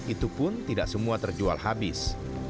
itu pun tidak semua terjual habis